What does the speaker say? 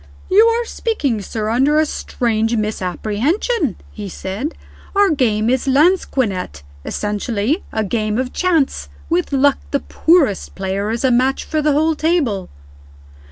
"You are speaking, sir, under a strange misapprehension," he said. "Our game is lansquenet essentially a game of chance. With luck, the poorest player is a match for the whole table."